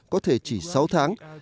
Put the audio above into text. có thể chỉ sáu tháng